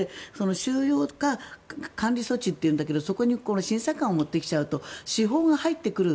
収容か管理措置というんだけどそこに審査官を持ってきちゃうと司法が入ってくる。